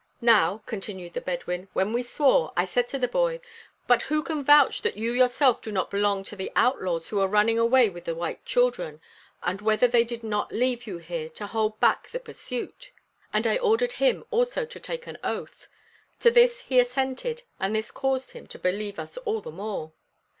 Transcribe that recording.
"Now," continued the Bedouin, "when we swore, I said to the boy: 'But who can vouch that you yourself do not belong to the outlaws who are running away with the white children, and whether they did not leave you here to hold back the pursuit?' And I ordered him also to take an oath. To this he assented and this caused him to believe us all the more.